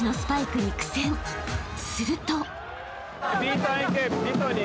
［すると］